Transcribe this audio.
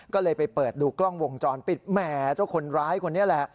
ก็เลยไปเปิดดูกล้องวงจรปิดแหมเจ้าคนร้ายคนนี้แหละ